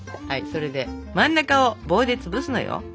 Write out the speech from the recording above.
それで真ん中を棒でつぶすのよ。